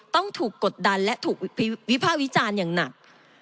ต้องถูกกดดันและถูกวิภาควิจารณ์อย่างหนัก